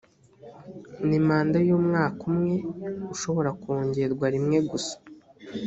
ni manda y’umwaka umwe ushobora kwongerwa rimwe gusa